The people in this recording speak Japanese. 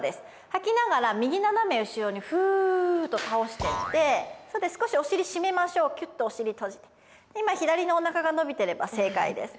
吐きながら右斜め後ろにフーッと倒してって少しお尻締めましょうキュッとお尻閉じて今左のお腹が伸びてれば正解です